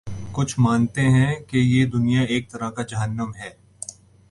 کچھ مانتے ہیں کہ یہ دنیا ایک طرح کا جہنم ہے۔